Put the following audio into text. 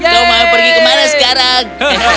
kau mau pergi kemana sekarang